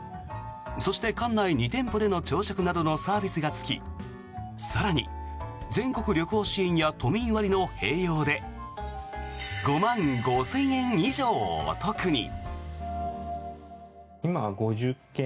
そして、館内２店舗での朝食などのサービスがつき更に全国旅行支援や都民割の併用で５万５０００円以上お得に。